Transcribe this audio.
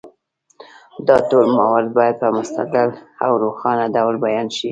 دا ټول موارد باید په مستدل او روښانه ډول بیان شي.